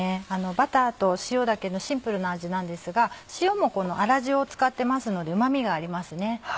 バターと塩だけのシンプルな味なんですが塩もこの粗塩を使ってますのでうま味がありますね。